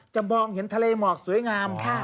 มองเห็นทะเลหมอกสวยงาม